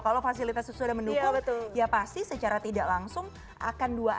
kalau fasilitas itu sudah mendukung ya pasti secara tidak langsung akan dua